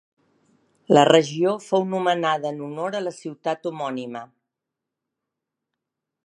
La regió fou nomenada en honor a la ciutat homònima.